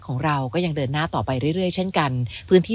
ของเราก็ยังเดินหน้าต่อไปเรื่อยเช่นกันพื้นที่